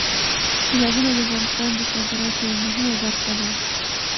سیلابونه د افغانستان د صادراتو یوه مهمه برخه ده.